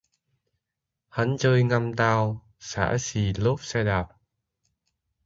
Hắn chơi ngăm tau, xả xì lốp xe đạp